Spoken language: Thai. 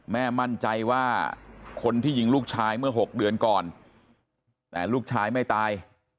แม่มั่นใจว่าคนที่ยิงลูกชายเมื่อ๖เดือนก่อนแต่ลูกชายไม่ตาย